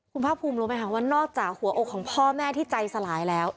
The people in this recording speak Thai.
คุณภาคภูมิรู้ไหมคะว่านอกจากหัวอกของพ่อแม่ที่ใจสลายแล้ว